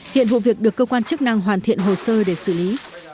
hiện vụ việc được cơ quan chức năng hoàn thiện hồ sơ để xử lý